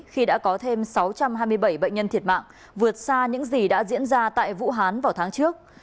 khi đã có thêm sáu trăm hai mươi bảy bệnh nhân thiệt mạng vượt xa những gì đã diễn ra tại vũ hán vào tháng trước